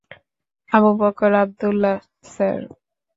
Abu Bakr Abdullah, sir!